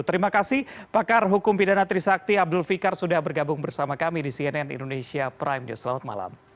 terima kasih pakar hukum pidana trisakti abdul fikar sudah bergabung bersama kami di cnn indonesia prime news selamat malam